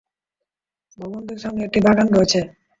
ভবনটির সামনে একটি বাগান রয়েছে।